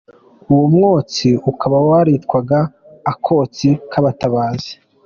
Uwo mwotsi ukaba waritwaga " Akotsi k’abatabazi".